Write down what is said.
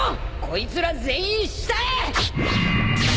こいつら全員下へ！